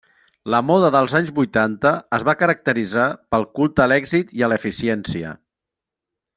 La moda dels anys vuitanta es va caracteritzar pel culte a l'èxit i a l'eficiència.